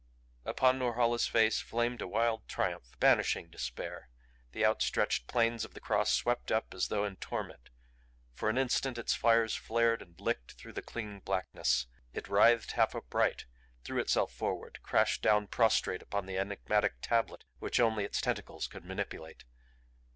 Upon Norhala's face flamed a wild triumph, banishing despair. The outstretched planes of the Cross swept up as though in torment. For an instant its fires flared and licked through the clinging blackness; it writhed half upright, threw itself forward, crashed down prostrate upon the enigmatic tablet which only its tentacles could manipulate.